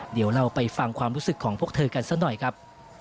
เดี๋ยวเราไปฟังความรู้สึกของพวกเธอกันซะหน่อยครับ